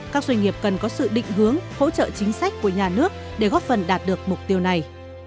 các doanh nghiệp cần có sự định hướng hỗ trợ chính sách của nhà nước để góp phần đạt được mục tiêu này